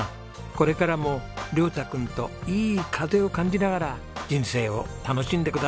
これからも椋太君といい風を感じながら人生を楽しんでください。